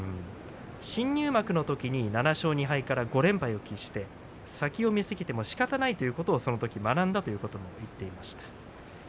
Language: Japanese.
新入幕のときに７勝２敗から５連敗を喫して先を見すぎてもしかたないと、そのとき学んだと言ってました。